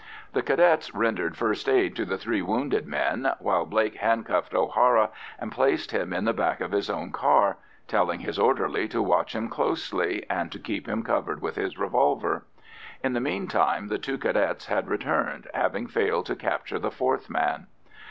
The Cadets rendered first aid to the three wounded men, while Blake handcuffed O'Hara and placed him in the back of his own car, telling his orderly to watch him closely, and to keep him covered with his revolver. In the meantime the two Cadets had returned, having failed to capture the fourth man.